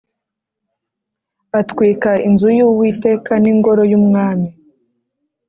Atwika inzu y Uwiteka n ingoro y umwami